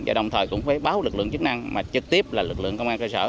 và đồng thời cũng phải báo lực lượng chức năng mà trực tiếp là lực lượng công an cơ sở